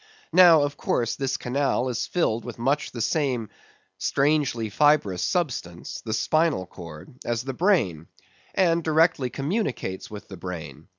Now, of course, this canal is filled with much the same strangely fibrous substance—the spinal cord—as the brain; and directly communicates with the brain.